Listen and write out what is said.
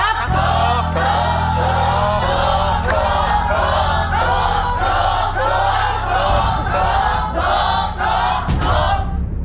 ตบ